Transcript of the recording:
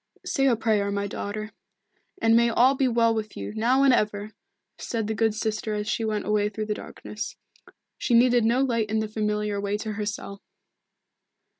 "Say a prayer, my daughter and may all be well with you, now and ever!" said the good sister as she went away through the darkness. She needed no light in the familiar way to her cell.